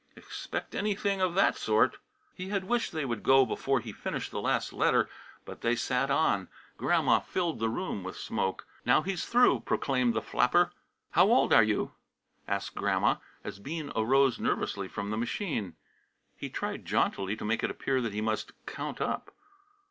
Expect anything of that sort! He had wished they would go before he finished the last letter, but they sat on, and Grandma filled the room with smoke. "Now he's through!" proclaimed the flapper. "How old are you?" asked Grandma, as Bean arose nervously from the machine. He tried jauntily to make it appear that he must "count up."